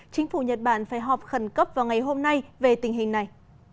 chính phủ nhật bản phải họp khẩn cấp vào ngày hôm nay về tình hình này